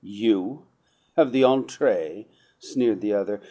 "You have the entree!" sneered the other.